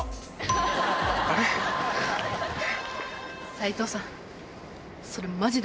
斉藤さん。